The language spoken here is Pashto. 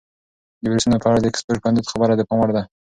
د ویروسونو په اړه د اکسفورډ پوهنتون خبره د پام وړ ده.